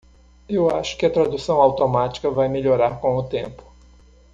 Eu acho que a tradução automática vai melhorar com o tempo.